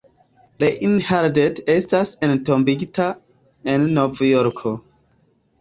Reinhardt estas entombigita en Novjorko.